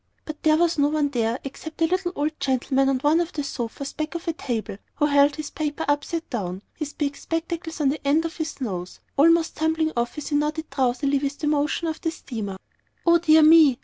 But there was no one there except a little old gentleman on one of the sofas back of a table, who held his paper upside down, his big spectacles on the end of his nose, almost tumbling off as he nodded drowsily with the motion of the steamer. "O dear me!"